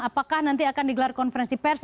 apakah nanti akan digelar konferensi pers